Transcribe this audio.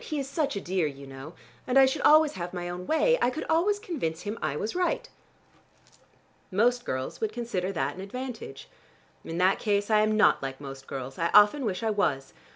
He is such a dear, you know, and I should always have my own way: I could always convince him I was right." "Most girls would consider that an advantage." "In that case I am not like most girls; I often wish I was.